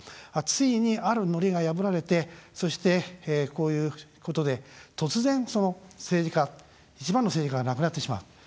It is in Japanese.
ついに、あるのりが破られてそして、こういうことで突然、政治家、一番の政治家が亡くなってしまう。